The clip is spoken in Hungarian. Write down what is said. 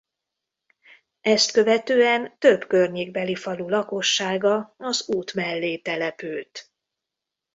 Ezt követően több környékbeli falu lakossága az út mellé települt.